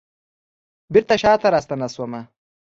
بیرته شاته راستنه شومه